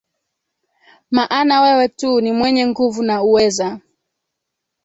maana wewe tu ni mwenye nguvu na uweza.